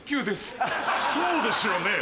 そうですよね。